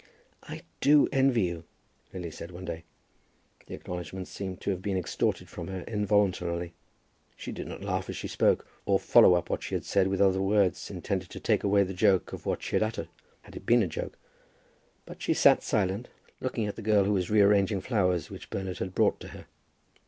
"I do envy you," Lily said one day. The acknowledgment seemed to have been extorted from her involuntarily. She did not laugh as she spoke, or follow up what she had said with other words intended to take away the joke of what she had uttered, had it been a joke; but she sat silent, looking at the girl who was re arranging flowers which Bernard had brought to her.